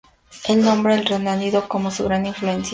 Él nombra a Ronaldinho como su gran influencia.